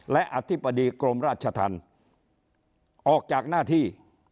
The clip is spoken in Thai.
และอธิบดีกรมราชธรรมออกจากหน้าที่